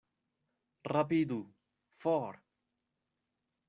Rapidu, for!